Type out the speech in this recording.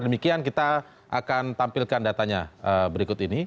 demikian kita akan tampilkan datanya berikut ini